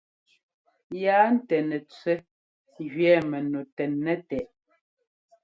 Yaa ntɛ́ nɛtẅɛ́ gẅɛɛ mɛnu tɛ́nnɛ́ tɛ.